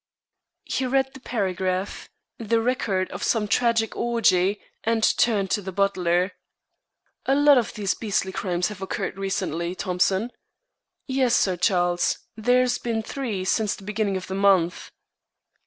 He read the paragraph, the record of some tragic orgy, and turned to the butler. "A lot of these beastly crimes have occurred recently, Thompson." "Yes, Sir Charles. There's bin three since the beginning of the month."